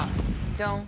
じゃん！